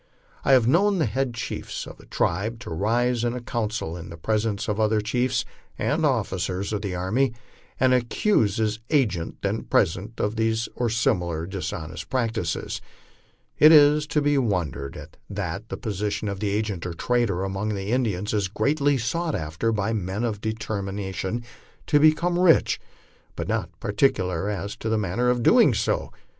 I havo known the head chiefs of a tribe to rise in a council in the presence of other chiefs and of officers of the army, and accuse his agent, then present, of these or similar dishonest practices. Is it to be wondered at that the position of agent or trader among the Indians is greatly sought after by men deter mined to become rich, but not particular as to the manner of doing so?